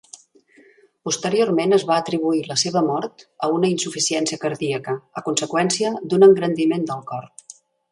Posteriorment, es va atribuir la seva mort a una insuficiència cardíaca a conseqüència d'un engrandiment del cor.